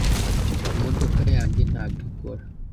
imodoka yanjye ntabwo ikora.